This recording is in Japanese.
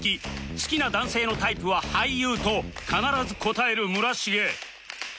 「好きな男性のタイプは俳優」と必ず答える村重